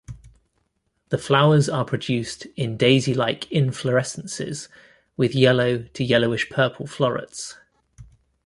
The flowers are produced in daisy-like inflorescences, with yellow to yellowish-purple florets.